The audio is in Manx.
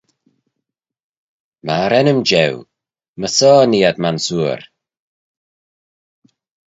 Myr ennym jeu, myr shoh nee ad m'ansoor.